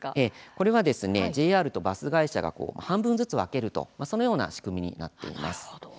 これはＪＲとバス会社が半分ずつ分けるという仕組みになっています。